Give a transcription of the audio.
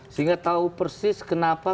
sehingga tahu persis kenapa